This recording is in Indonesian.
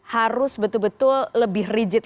harus betul betul lebih rigid